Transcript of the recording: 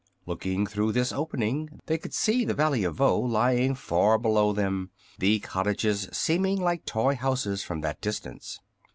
Looking through this opening they could see the Valley of Voe lying far below them, the cottages seeming like toy houses from that distance.